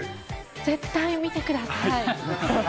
絶対見てください。